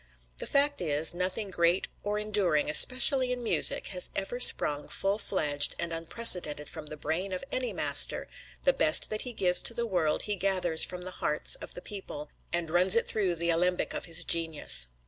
The fact is, nothing great or enduring, especially in music, has ever sprung full fledged and unprecedented from the brain of any master; the best that he gives to the world he gathers from the hearts of the people, and runs it through the alembic of his genius.